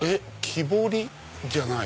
木彫りじゃない。